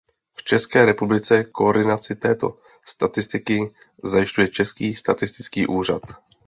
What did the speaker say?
V České republice koordinaci této statistiky zajišťuje Český statistický úřad.